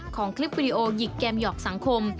คลิปวิดีโอหยิกแกมหยอกสังคม